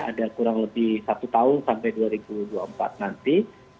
ada kurang lebih satu tahun sampai dua ribu dua puluh empat nanti